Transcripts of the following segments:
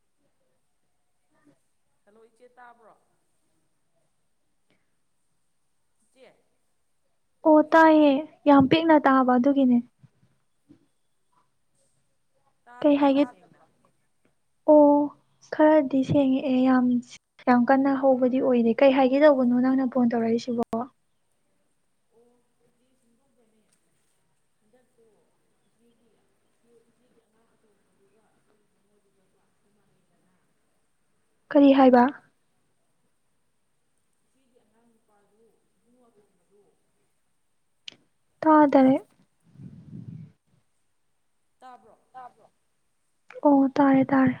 [inaudible] hello ꯏꯆꯦ ꯇꯥꯕ꯭ꯔꯣ ꯏꯆꯦ ꯑꯣ ꯇꯥꯏꯌꯦ ꯌꯥꯝ ꯄꯤꯛꯅ ꯇꯥꯕ ꯑꯗꯨꯒꯤꯅꯦ ꯀꯩ ꯍꯥꯏꯒꯦ ꯇꯥꯗꯕꯔꯣ ꯑꯣ ꯈꯔꯗꯤ ꯁꯦꯡꯉꯛꯑꯦ ꯌꯥꯝ ꯌꯥꯝ ꯀꯟꯅ ꯍꯧꯕꯗꯤ ꯑꯣꯏꯗꯦ ꯀꯩ ꯍꯥꯏꯒꯦ ꯇꯧꯕꯅꯣ ꯅꯪꯅ ꯐꯣꯟ ꯇꯧꯔꯛꯏꯁꯤꯕꯣ ꯑꯣ ꯏꯆꯦ ꯁꯨꯝꯗꯧꯕꯅꯦ ꯍꯟꯗꯛꯇꯣ ꯏꯆꯦꯒꯤ ꯏꯆꯦꯒꯤ ꯑꯉꯥꯡ ꯑꯇꯣꯝꯕꯗꯨꯒ ꯑꯩꯈꯣꯏꯒꯤ ꯏꯕꯨꯡꯑꯣꯗꯨꯒꯥ ꯀꯂ꯭ꯥꯁꯇꯣ ꯃꯥꯟꯅꯩꯗꯅ ꯀꯔꯤ ꯍꯥꯏꯕ ꯗꯤ ꯑ ꯅꯨꯄꯥ ꯑꯗꯨ ꯃꯋꯥ ꯑꯣꯝꯕ ꯑꯗꯨ ꯇꯥ ꯇꯔꯦ ꯇ ꯑꯣ ꯇꯥꯔꯦ ꯇꯥꯔꯦ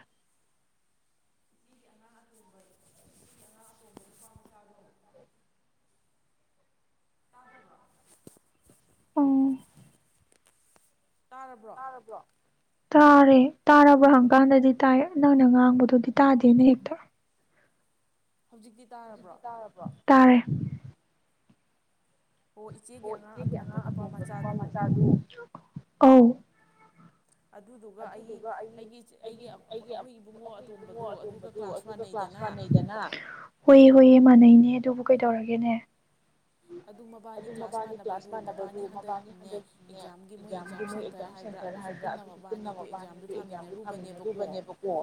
[unintelligible] ꯑ ꯇꯥꯔꯕ꯭ꯔꯣ ꯇꯥꯔꯦ ꯇꯥꯔꯕ ꯍꯪꯀꯥꯟꯗꯗꯤ ꯇꯥꯏ ꯅꯪꯅ ꯉꯥꯡꯕꯗꯨꯗꯤ ꯇꯥꯗꯦꯅ ꯍꯦꯛꯇ ꯍꯧꯖꯤꯛ ꯔꯕ ꯇꯥꯔꯦ ꯑꯣ ꯏꯆꯦꯒꯤ ꯑꯉꯥꯡ ꯑꯄꯣꯡꯕ ꯅꯨꯄꯥ ꯃꯆꯥꯗꯨ ꯑ ꯑꯗꯨꯗꯨꯒ ꯑꯩꯒꯤ ꯑꯩꯈꯣꯏꯒꯤ ꯏꯕꯉꯣ ꯑꯇꯣꯝꯕꯗꯨ ꯑꯗꯨꯒ ꯀ꯭ꯂꯥꯁ ꯋꯥꯟꯉꯗꯅ ꯍ ꯊꯣꯛꯣꯏꯑꯦ ꯃꯥꯟꯅꯩꯅꯦ ꯑꯗꯨꯕꯨ ꯀꯩꯗꯧꯔꯒꯦꯅꯦ ꯑꯗꯨ ꯃꯕꯥꯅꯤ ꯀ꯭ꯂꯥꯁ ꯃꯥꯟꯅꯕꯗꯨ ꯃꯕꯥꯅꯤ ꯍꯟꯗꯛꯅꯦ ꯑꯦꯛꯖꯥꯝꯒꯤ ꯃꯣꯏ ꯑꯦꯛꯖꯥꯝ ꯁꯦꯟꯇꯔ ꯍꯥꯏꯕ꯭ꯔꯥ ꯑꯗꯨꯁꯨ ꯄꯨꯟꯅ ꯄꯨꯟꯅ ꯃꯕꯥꯅꯤ ꯑꯗꯨ ꯑꯦꯛꯖꯥꯝꯗꯨ ꯊꯥꯃꯤꯟꯅꯔꯨꯕꯅꯦꯕꯀꯣ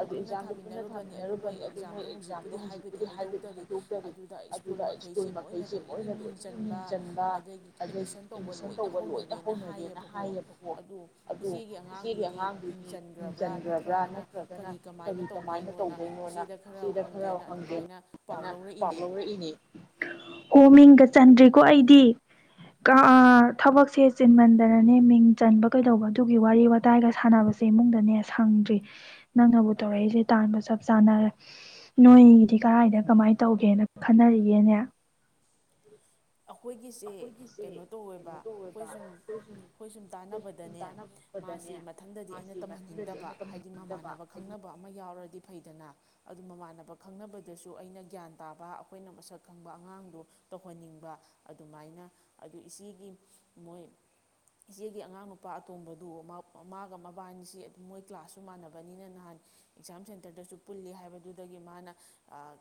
ꯑꯗꯨ ꯑꯦꯛꯖꯥꯝꯗꯨ ꯄꯨꯟꯅ ꯊꯥꯃꯤꯟꯅꯔꯨꯕꯅꯦ ꯑꯗꯨ ꯃꯣꯏ ꯑꯦꯛꯖꯥꯝꯗꯣ ꯍꯧꯖꯤꯛꯄꯨꯗꯤꯗꯤ ꯍꯥꯏꯗꯣꯛꯇꯔꯤ ꯑꯗꯨꯒ ꯁ꯭ꯀꯨꯜ ꯑꯩꯈꯣꯏꯅ ꯂꯣꯏꯒꯤ ꯃꯤꯡ ꯆꯟꯕ ꯑꯗꯒꯤ ꯑꯦꯠꯃꯤꯁꯟ ꯇꯧꯕ ꯂꯣꯏꯅ ꯍꯧꯅꯔꯦꯅ ꯍꯥꯏꯌꯦꯕꯀꯣ ꯑꯗꯨ ꯑꯗꯨ ꯏꯆꯦꯒꯤ ꯑꯉꯥꯡꯗꯨꯗꯤ ꯍꯤꯡꯁꯤꯟꯈ꯭ꯔꯕ꯭ꯔꯥ ꯅꯠꯇ꯭ꯔꯒꯅ ꯀꯔꯤ ꯀꯃꯥꯏꯅ ꯇꯧꯗꯣꯏꯅꯣꯅ ꯏꯆꯦꯗ ꯈꯔ ꯍꯪꯒꯦ ꯍꯥꯏꯅ ꯄꯥꯎ ꯂꯧꯔꯛꯏꯅꯦ ꯑꯣ ꯃꯤꯡꯒ ꯆꯟꯗ꯭ꯔꯤꯀꯣ ꯑꯩꯗꯤ ꯊꯕꯛꯁꯦ ꯆꯤꯟꯃꯟꯗꯅꯅꯦ ꯃꯤꯡ ꯆꯟꯕ ꯀꯩꯗꯧꯕ ꯑꯗꯨꯒꯤ ꯋꯥꯔꯤ ꯋꯥꯇꯥꯏꯒ ꯁꯥꯟꯅꯕꯁꯦ ꯏꯃꯨꯡꯗꯅꯦ ꯁꯪꯗ꯭ꯔꯤ ꯅꯪꯅꯕꯨ ꯇꯧꯔꯛꯏꯁꯦ ꯇꯥꯟꯕ ꯆꯞ ꯆꯥꯟꯅꯔꯦ ꯅꯣꯏꯒꯤꯗꯤ ꯀꯗꯥꯥꯏꯗ ꯀꯃꯥꯏꯅ ꯇꯧꯒꯦꯅ ꯈꯟꯅꯔꯤꯒꯦꯅꯦ ꯑꯩꯈꯣꯏꯒꯤꯁꯦ ꯀꯩꯅꯣ ꯇꯧꯋꯦꯕ ꯑꯩꯈꯣꯏ ꯁꯨꯝ ꯑꯩꯈꯣꯏ ꯁꯨꯝ ꯇꯥꯟꯅꯕꯗꯅꯦ ꯃꯥꯁꯤ ꯃꯊꯪꯗꯗꯤ ꯑꯩꯅ ꯇꯝꯍꯟꯅꯤꯡꯗꯕ ꯍꯥꯏꯗꯤ ꯃꯃꯥꯟꯅꯕ ꯈꯪꯅꯕ ꯑꯃ ꯌꯥꯎꯔꯗꯤ ꯐꯩꯗꯅ ꯑꯗꯨ ꯃꯃꯥꯟꯅꯕ ꯈꯪꯅꯕꯗꯁꯨ ꯑꯩꯅ ꯒ꯭ꯌꯥꯟ ꯇꯥꯕ ꯑꯩꯈꯣꯏꯅ ꯃꯁꯛ ꯈꯪꯕ ꯑꯉꯥꯡꯗꯣ ꯇꯧꯍꯟꯅꯤꯡꯕ ꯑꯗꯨꯃꯥꯏꯅ ꯑꯗꯨ ꯏꯆꯦꯒꯤ ꯃꯣꯏ ꯏꯆꯦꯒꯤ ꯑꯉꯥꯡ ꯅꯨꯄꯥ ꯑꯇꯣꯝꯕꯗꯨ ꯃꯥꯒ ꯃꯕꯥꯅꯤꯁꯤ ꯃꯣꯏ ꯀ꯭ꯂꯥꯁꯁꯨ ꯃꯥꯟꯅꯕꯅꯤꯅ ꯅꯍꯥꯟ ꯑꯦꯛꯖꯥꯝ ꯁꯦꯟꯇꯔꯗꯁꯨ ꯄꯨꯜꯂꯤ ꯍꯥꯏꯕꯗꯨꯗꯒꯤ ꯃꯥꯅ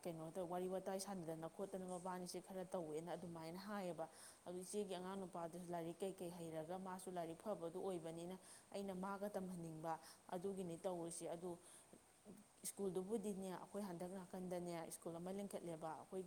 ꯀꯩꯅꯣ ꯇꯧ ꯋꯥꯔꯤ ꯋꯥꯇꯥꯏ ꯁꯥꯟꯅꯗꯅ ꯈꯣꯠꯇꯅ ꯃꯕꯥꯅꯤꯁꯦ ꯈꯔ ꯇꯧꯋꯦꯅ ꯑꯗꯨꯃꯥꯏꯅ ꯍꯥꯏ ꯍꯥꯏꯌꯦꯕ ꯑꯗꯨ ꯏꯆꯦꯒꯤ ꯑꯉꯥꯡ ꯅꯨꯄꯥꯗꯨꯁꯨ ꯂꯥꯏꯔꯤꯛ ꯀꯩꯀꯩ ꯍꯩꯔꯒ ꯃꯥꯁꯨ ꯂꯥꯏꯔꯤꯛ ꯐꯕꯗꯨ ꯑꯣꯏꯕꯅꯤꯅ ꯑꯩꯅ ꯃꯥꯒ ꯇꯝꯍꯟꯅꯤꯡꯕ ꯑꯗꯨꯒꯤꯅꯤ ꯇꯧꯔꯤꯁꯦ ꯑꯗꯨ ꯁ꯭ꯀꯨꯜꯗꯨꯕꯨꯗꯤꯅꯦ ꯑꯩꯈꯣꯏ ꯍꯟꯗꯛ ꯅꯥꯀꯟꯗꯅꯦ ꯁ꯭ꯀꯨꯜ ꯑꯃ ꯂꯤꯡꯈꯠꯂꯦꯕ ꯑꯩꯈꯣꯏ